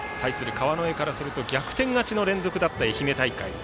川之江からすると逆転勝ちの連続だった愛媛大会。